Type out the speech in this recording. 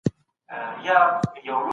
واکدار باید عادل او هوښیار وي.